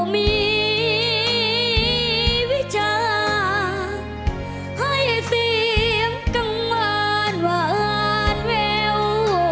มีวิจารให้เตรียมกังวันหวานเว้ว